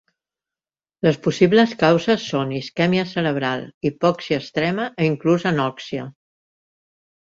Les possibles causes són isquèmia cerebral, hipòxia extrema o inclús anòxia.